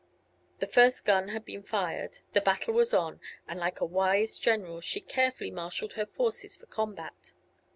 The first gun had been fired, the battle was on, and like a wise general she carefully marshaled her forces for combat.